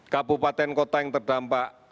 kabupaten kota yang terdampak